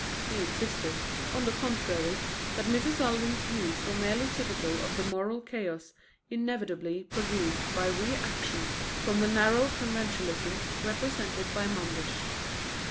He insisted, on the contrary, that Mrs. Alving's views were merely typical of the moral chaos inevitably produced by re action from the narrow conventionalism represented by Manders.